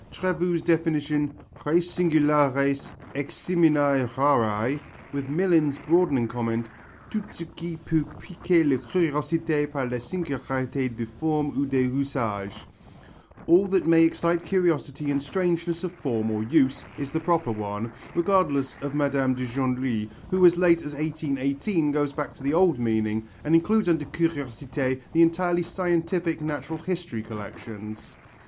Trevoux' definition "res singulares, eximiæ raræ" with Millin's broadening comment "tout ce qui peut piquer la curiosité par la singularité des formes ou des usages" (all that may excite curiosity in strangeness of form or use), is the proper one, regardless of Mme. de Genlis, who as late as 1818 goes back to the old meaning and includes under curiosité the entirely scientific Natural History collections.